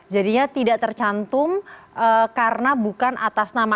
jadinya tidak tercantum karena bukan atas nama